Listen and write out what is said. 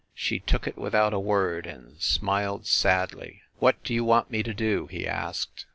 She took it without a word, and smiled sadly. "What do you want me to do?" he asked.